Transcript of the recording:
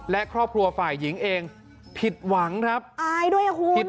และครอบครัวฝ่ายหญิงเองผิดหวังครับอายด้วยอ่ะคุณผิด